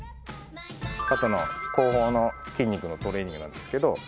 肩の後方の筋肉のトレーニングなんですけど。